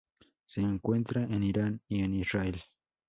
Se encuentra en Irán y en Israel.